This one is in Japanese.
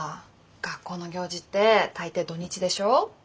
学校の行事って大抵土日でしょ。